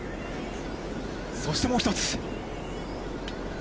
そしてもう一つ。